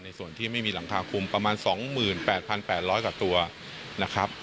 ส่วนที่ไม่มีหลังคาคุมประมาณ๒๘๘๐๐กว่าตัวนะครับ